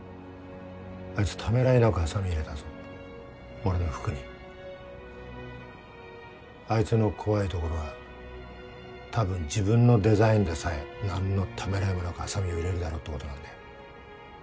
あいつためらいなくハサミ入れたぞ俺の服にあいつの怖いところはたぶん自分のデザインでさえ何のためらいもなくハサミを入れるだろうってことなんだよ